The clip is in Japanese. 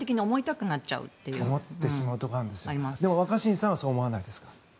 でも若新さんはそう思わないですか？